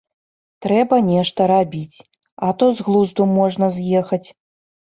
Трэба нешта рабіць, а то з глузду можна з'ехаць.